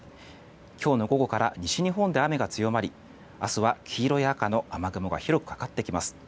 今日の午後から西日本で雨が強まり明日は黄色や赤の雨雲が広くかかってきます。